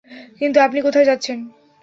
কিন্তু আপনি কোথায় যাচ্ছেন?